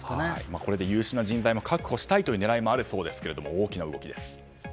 これで優秀な人材も確保したいという狙いもあるそうですが大きな動きです。